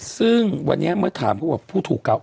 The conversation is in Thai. ซึ่งวันนี้เมื่อถามผู้ถูกเก่า